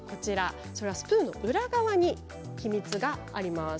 それはスプーンの裏側に秘密があります。